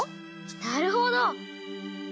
なるほど！